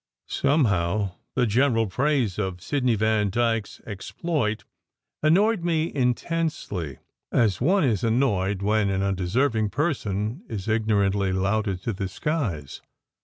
Somehow, the general praise of Sidney Vandyke s exploit annoyed me intensely, as one is annoyed when an undeserving person is ignorantly 1ft* SECRET HISTORY 123 lauded to the skies.